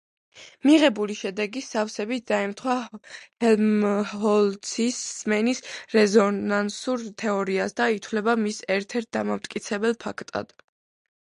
მიღებული შედეგი სავსებით დაემთხვა ჰელმჰოლცის სმენის რეზონანსულ თეორიას და ითვლება მის ერთ-ერთ დამამტკიცებელ ფაქტად.